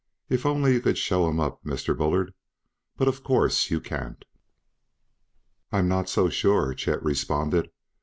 If only you could show him up, Mr. Bullard but of course you can't." "I'm not so sure," Chet responded.